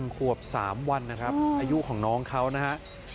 ขวบ๓วันนะครับอายุของน้องเขานะฮะ